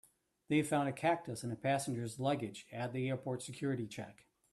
They found a cactus in a passenger's luggage at the airport's security check.